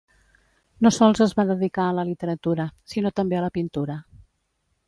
No sols es va dedicar a la literatura, sinó també a la pintura.